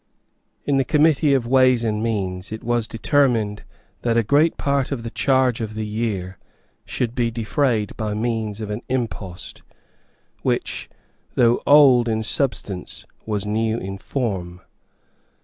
In the Committee of Ways and Means, it was determined that a great part of the charge of the year should be defrayed by means of an impost, which, though old in substance, was new in form.